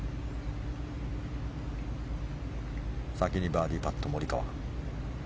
先にバーディーパットモリカワ。